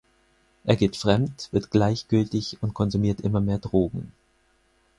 Er geht fremd, wird gleichgültig und konsumiert immer mehr Drogen.